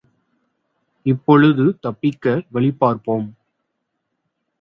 இப்பொழுது தப்பிக்க வழி பார்ப்போம்.